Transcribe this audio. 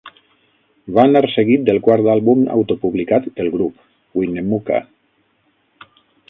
Va anar seguit del quart àlbum autopublicat del grup, "Winnemucca".